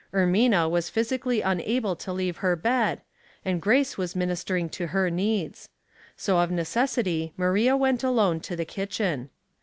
Ermina was phys ically unable to leave her bed, and Grace was ministering to her needs ; so, of necessity, Maria went alone to the kitchen.